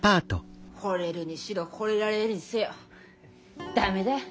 ほれるにしろほれられるにせよ駄目だよ。